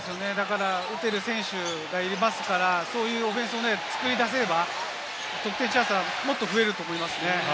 打てる選手がいますから、そういうオフェンスを作り出せれば、得点チャンスはもっと増えると思いますね。